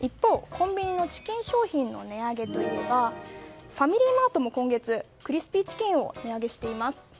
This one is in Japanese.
一方、コンビニのチキン商品の値上げといえばファミリーマートも今月クリスピーチキンを値上げしています。